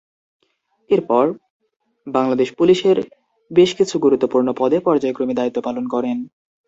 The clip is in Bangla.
এরপর বাংলাদেশ পুলিশ এর বেশ কিছু গুরুত্বপূর্ণ পদে পর্যায়ক্রমে দায়িত্ব পালন করেন।